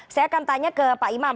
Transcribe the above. saya akan tanya ke pak imam